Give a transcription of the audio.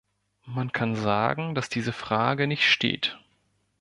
Man kann sagen, dass diese Frage nicht steht.